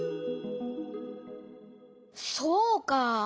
そうかあ！